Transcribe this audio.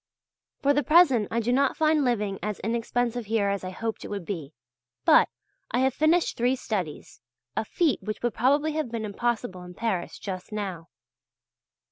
For the present I do not find living as inexpensive here as I hoped it would be; but I have finished three studies a feat which would probably have been impossible in Paris just now.